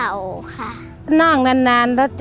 แล้วหนูก็บอกว่าไม่เป็นไรห้าว่างมาหาหนูบ้างนะคะ